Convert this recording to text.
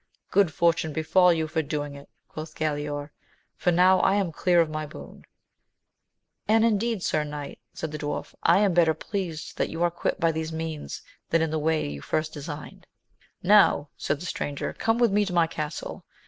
Good fortune befall you for doing it, quoth Galaor ; for now am I clear of my boon. And indeed, svr "kiv\^\\j, ^^\^ \X\fc ^^^\ ^assL AMADIS OF GAUL. 143 better pleased that you are quit by these means, than in the way you first designed. Now, said the stranger, come with me to my castle.